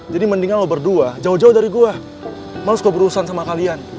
jadi mendingan lo berdua jauh jauh dari gue malus gue berurusan sama kalian